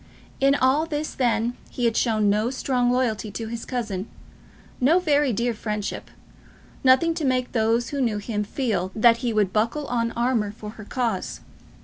In all this then he had shown no strong loyalty to his cousin, no very dear friendship, nothing to make those who knew him feel that he would buckle on armour in her cause.